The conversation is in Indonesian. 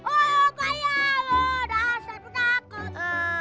oh kayaknya dasar penakut